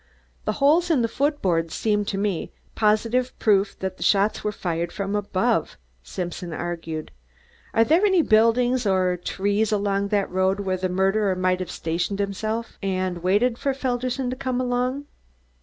"The holes in the foot board seem to me positive proof that the shots were fired from above," Simpson argued. "Are there any buildings or trees along that road where the murderer might have stationed himself and waited for Felderson to come along?"